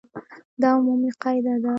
دا عمومي قاعده ده.